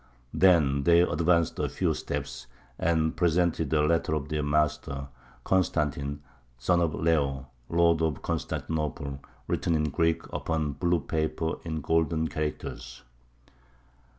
Then they advanced a few steps, and presented a letter of their master, Constantine, son of Leo, Lord of Constantinople, written in Greek upon blue paper in golden characters."